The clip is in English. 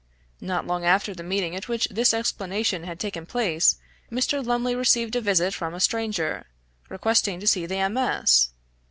Not long after the meeting at which this explanation had taken place, Mr. Lumley received a visit from a stranger, requesting to see the MS.